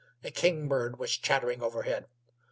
A kingbird was chattering overhead.